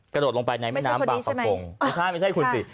กระโดดลงไปในแม่น้ำบากภักดิ์กรงใช่ใช่คุณสิ